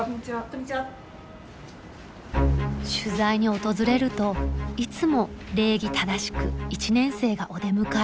取材に訪れるといつも礼儀正しく１年生がお出迎え。